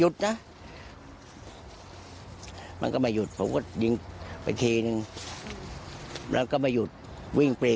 ตายก็ตายแค่นี้เองโถนี่ขี้เม็ดเนี่ย